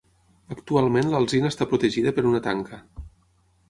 Actualment l'alzina està protegida per una tanca.